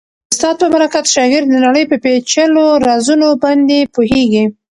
د استاد په برکت شاګرد د نړۍ په پېچلو رازونو باندې پوهېږي.